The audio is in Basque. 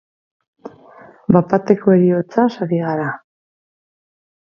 Bat-bateko heriotzaz ari gara.